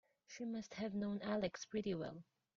She must have known Alex pretty well.